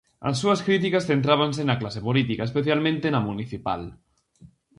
As súas críticas centrábanse na clase política, especialmente na municipal.